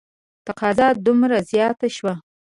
تقاضا دومره زیاته شوه.